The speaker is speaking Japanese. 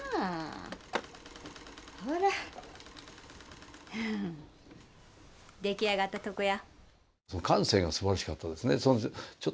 ほら出来上がったとこや。